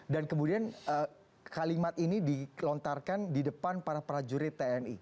dan kemudian kalimat ini dilontarkan di depan para prajurit tni